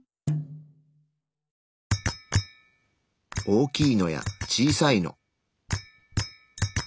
大きいのや小さいの。